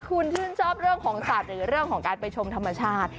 คุณชื่นชอบเรื่องของสัตว์หรือเรื่องของการไปชมธรรมชาติ